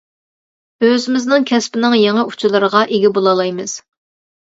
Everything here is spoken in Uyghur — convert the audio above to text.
ئۆزىمىزنىڭ كەسپىنىڭ يېڭى ئۇچۇرلىرىغا ئىگە بولالايمىز.